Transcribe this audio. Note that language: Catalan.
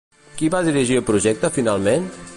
Qui va dirigir el projecte finalment?